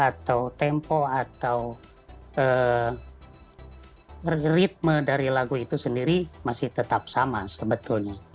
atau tempo atau ritme dari lagu itu sendiri masih tetap sama sebetulnya